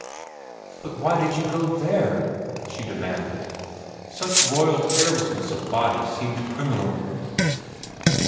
"But why did you go there?" she demanded. Such royal carelessness of body seemed criminal.